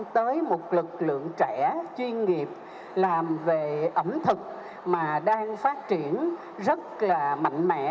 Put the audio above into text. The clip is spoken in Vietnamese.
tới một lực lượng trẻ chuyên nghiệp làm về ẩm thực mà đang phát triển rất là mạnh mẽ